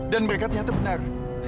dan mereka ternyata benar